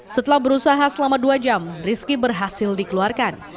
setelah berusaha selama dua jam rizky berhasil dikeluarkan